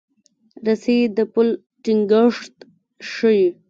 رسۍ د پل ټینګښت ښيي.